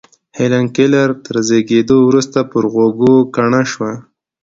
هېلېن کېلر تر زېږېدو وروسته پر غوږو کڼه شوه.